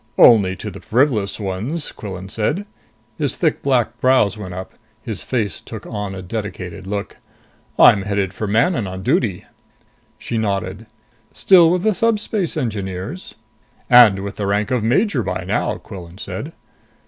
"Only to the frivolous ones," Quillan said. His thick black brows went up. His face took on a dedicated look. "I'm headed for Manon on duty." She nodded. "Still with the Subspace Engineers?" "And with the rank of major by now," Quillan said.